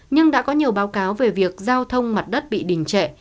nhưng đã có nhiều báo cáo về việc giao thông mặt đất bị đình trệ